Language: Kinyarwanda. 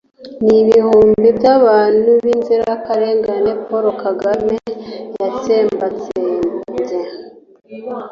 n'ibihumbi by'abahutu b'inzirakarengane paul kagame yatsembatsembye.